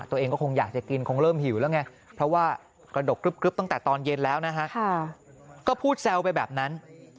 ตัวเองก็คงอยากจะกิน